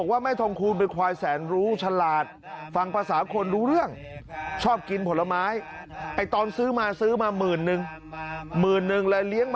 ควายแม่ทองคูลเนี่ย